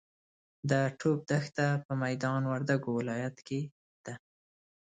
د ټوپ دښته په میدا وردګ ولایت کې ده.